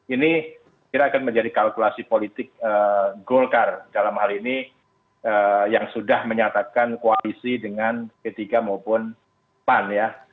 ini kira akan menjadi kalkulasi politik golkar dalam hal ini yang sudah menyatakan koalisi dengan p tiga maupun pan ya